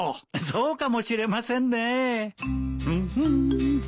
そうかもしれませんね。